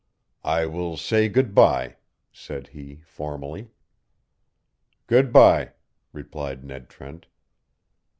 "I will say good by," said he, formally. "Good by," replied Ned Trent.